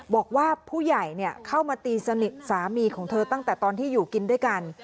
บอกว่าผู้ใหญ่เข้ามาตีสนิทสามีของเธอตั้งแต่ตอนที่อยู่กินด้วยกัน